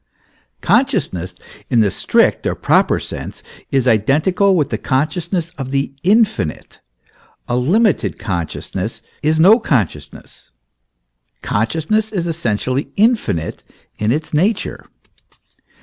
Consciousness, in the strict or proper sense, is identical with consciousness of the infinite; a limited consciousness is no consciousness; con sciousness is essentially infinite in its nature.